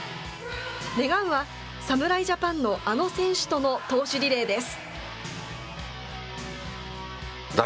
願うは侍ジャパンのあの選手との投手リレーです。